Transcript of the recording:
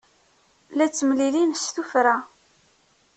La ttemlilin s tuffra.